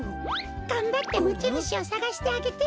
がんばってもちぬしをさがしてあげて。